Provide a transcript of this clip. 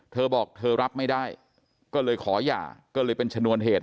เธอบอกเธอรับไม่ได้ก็เลยขอหย่าก็เลยเป็นชนวนเหตุ